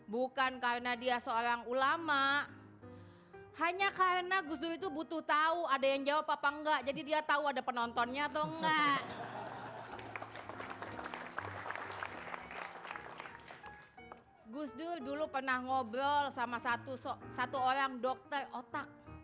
brol sama satu orang dokter otak